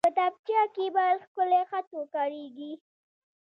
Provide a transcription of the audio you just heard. کتابچه کې باید ښکلی خط وکارېږي